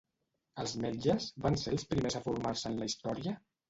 Els metges van ser els primers a formar-se en la història?